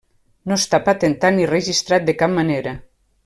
No està patentant ni registrat de cap manera.